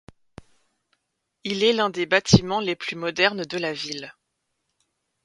Il est l'un des bâtiments les plus modernes de la ville.